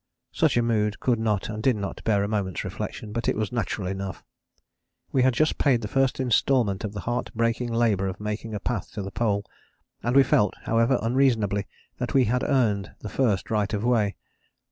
Such a mood could not and did not bear a moment's reflection; but it was natural enough. We had just paid the first instalment of the heart breaking labour of making a path to the Pole; and we felt, however unreasonably, that we had earned the first right of way.